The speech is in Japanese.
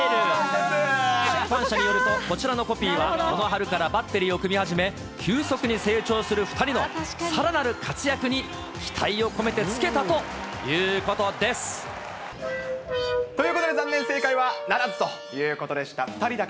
出版社によると、こちらのコピーはこの春からバッテリーを組み始め、急速に成長する２人のさらなる活躍に期待を込めてつけたということです。ということで残念、正解はならずということでした。